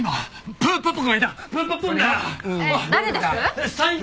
プーパッポンだ！